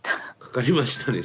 かかりましたね。